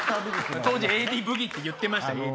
当時『ＡＤブギ』って言ってました。